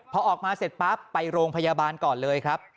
พอออกมาเสร็จปั๊บไปโรงพยาบาลก่อนเลยครับ